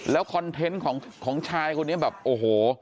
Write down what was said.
แล้วคอนเทนต์ของชายคนนี้แบบโอ้โห